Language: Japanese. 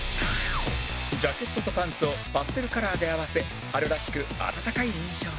ジャケットとパンツをパステルカラーで合わせ春らしく温かい印象に